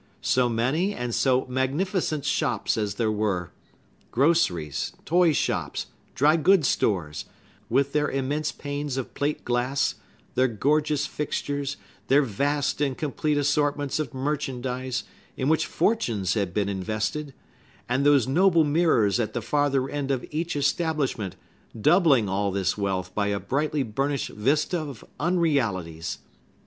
So many and so magnificent shops as there were! Groceries, toy shops, drygoods stores, with their immense panes of plate glass, their gorgeous fixtures, their vast and complete assortments of merchandise, in which fortunes had been invested; and those noble mirrors at the farther end of each establishment, doubling all this wealth by a brightly burnished vista of unrealities!